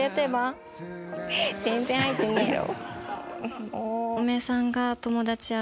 「全然入ってねぇよ」